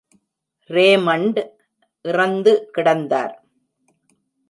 Raymond இறந்து கிடந்தார்.